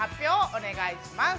お願いします。